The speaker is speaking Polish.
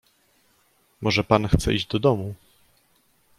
"Może pan chce iść do domu?"